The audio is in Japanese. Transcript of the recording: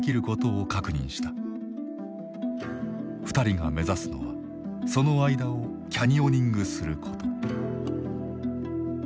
２人が目指すのはその間をキャニオニングすること。